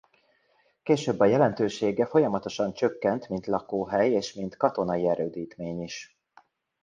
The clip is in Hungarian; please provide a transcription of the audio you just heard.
Később a jelentősége folyamatosan csökkent mint lakóhely és mint katonai erődítmény is.